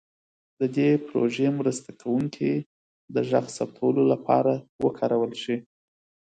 د دې پروژې مرسته کوونکي د غږ ثبتولو لپاره وکارول شي.